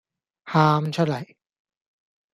喊出黎